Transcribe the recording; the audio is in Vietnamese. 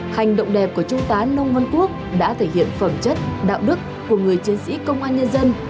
hành động đẹp của trung tá nông văn quốc đã thể hiện phẩm chất đạo đức của người chiến sĩ công an nhân dân